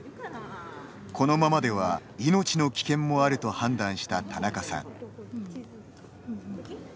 このままでは命の危険もあると判断した田中さん。